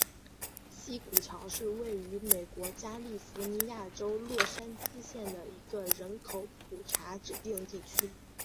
西谷桥是位于美国加利福尼亚州洛杉矶县的一个人口普查指定地区。